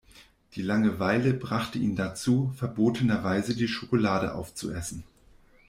Die Langeweile brachte ihn dazu, verbotenerweise die Schokolade auf zu essen.